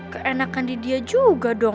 keenakan di dia juga dong